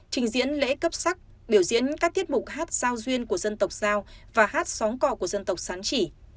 trình diễn lễ cấp sắc biểu diễn các tiết mục hát sao duyên của dân tộc sao và hát sóng co của dân tộc sán chỉ